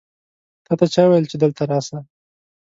تا ته چا وویل چې دلته راسه؟